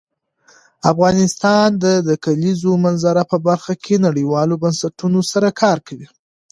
افغانستان د د کلیزو منظره په برخه کې نړیوالو بنسټونو سره کار کوي.